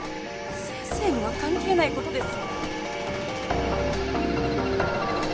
先生には関係ない事です！